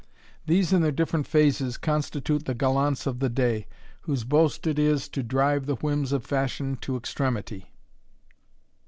These, in their different phases, constitute the gallants of the day, whose boast it is to drive the whims of fashion to extremity.